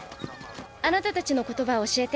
あなたたちの言葉を教えて。